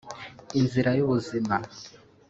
Inzira y’ubuzima